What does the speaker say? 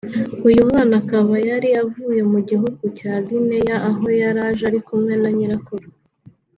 uyu mwana akaba yari avuye mu gihugu cya Guinea aho yaje ari kumwe na nyirakuru